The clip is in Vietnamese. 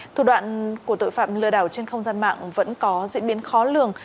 thủ đoạn của tội phạm lừa đảo trên không gian mạng vẫn có diễn biến khó lường